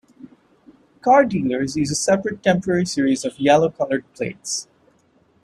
Car-dealers use a separate temporary series of yellow-coloured plates.